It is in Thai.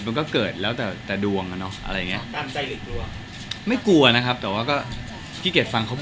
มันก็เกิดแล้วแต่ดวงอะเนาะ